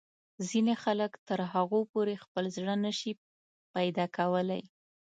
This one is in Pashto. ځینې خلک تر هغو پورې خپل زړه نه شي پیدا کولای.